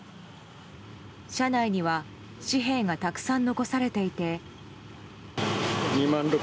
車内には紙幣がたくさん残されていて。